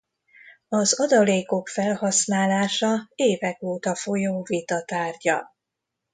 Az adalékok felhasználása évek óta folyó vita tárgya.